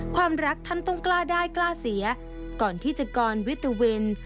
ความรักท่านต้องกล้าได้กล้าเสียก่อนที่จะกรวิตวิน